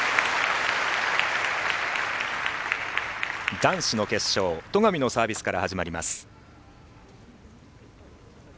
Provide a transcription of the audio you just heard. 男子の決勝、戸上のサービスから始まります。